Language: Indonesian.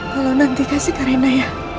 kalau nanti kasih reina ya